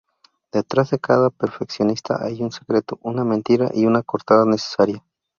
Detrás de cada perfeccionista hay un secreto, una mentira y una coartada necesaria.